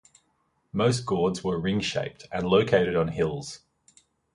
Most gords were ring-shaped, and located on hills.